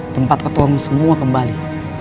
tempat ketorong semua kembali